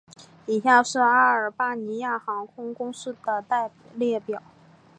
以下是阿尔巴尼亚航空公司的列表